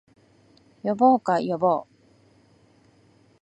呼ぼうか、呼ぼう